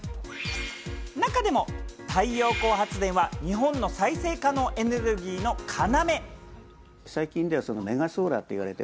中でも太陽光発電は日本の再生可能エネルギーの要。